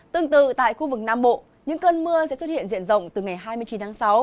tương tự tại khu vực nam bộ những cơn mưa sẽ xuất hiện diện rộng từ ngày hai mươi chín tháng sáu